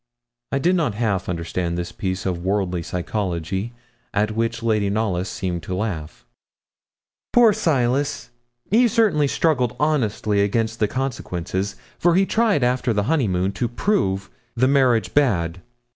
I did not half understand this piece of worldly psychology, at which Lady Knollys seemed to laugh. 'Poor Silas, certainly he struggled honestly against the consequences, for he tried after the honeymoon to prove the marriage bad.